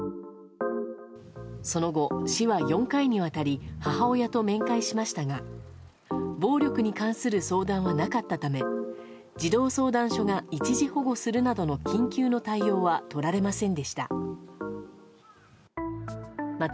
その後、市は４回にわたり母親と面会しましたが暴力に関する相談はなかったため児童相談所が一時保護するなどの緊急の対応はとられませんでした。